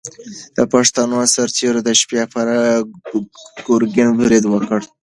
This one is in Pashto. پښتنو سرتېرو د شپې پر ګورګین برید وکړ.